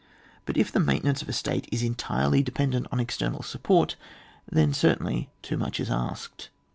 But if the maintenance of a state is entirely dependent on external support, then certainly too much is asked.